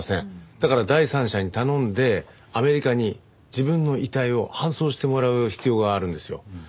だから第三者に頼んでアメリカに自分の遺体を搬送してもらう必要があるんですよ。